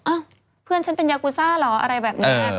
เพื่อนฉันเป็นยากูซ่าเหรออะไรแบบนี้